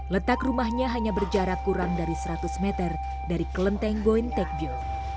letak rumahnya hanya berjarak kurang dari seratus meter dari kelenteng goin tekbio